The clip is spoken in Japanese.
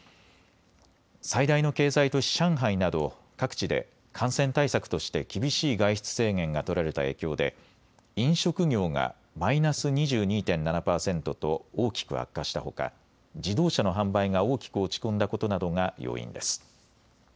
最大の経済都市、上海など各地で感染対策として厳しい外出制限が取られた影響で飲食業がマイナス２２．７％と大きく悪化したほか自動車の販売が大きく落ち込んだことなどが要因です。